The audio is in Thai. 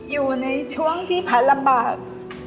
อยู่ในช่วงที่แพทย์ลำบาก